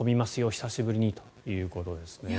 久しぶりにということです。